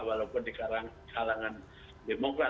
walaupun di kalangan demokrasi